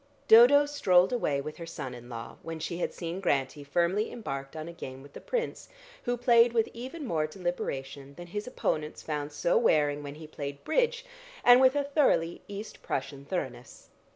Dodo strolled away with her son in law when she had seen Grantie firmly embarked on a game with the Prince, who played with even more deliberation than his opponents found so wearing when he played bridge, and with a thoroughly East Prussian thoroughness.